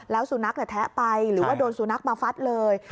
แล้วสุนัขแทะไปหรือว่าโดนสุนัขมาฟัดเลย